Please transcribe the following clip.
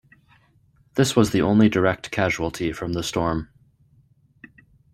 This was the only direct casualty from the storm.